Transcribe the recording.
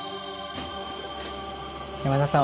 山田さん